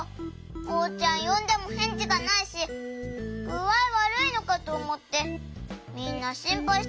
おうちゃんよんでもへんじがないしぐあいわるいのかとおもってみんなしんぱいしてたのに。